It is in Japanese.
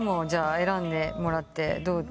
選んでもらってね。